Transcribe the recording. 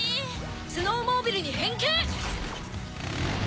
スノーモービルに変形。